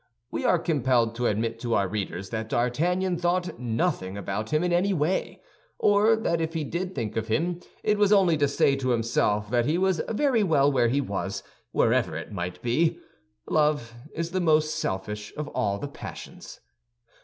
We are compelled to admit to our readers that D'Artagnan thought nothing about him in any way; or that if he did think of him, it was only to say to himself that he was very well where he was, wherever it might be. Love is the most selfish of all the passions.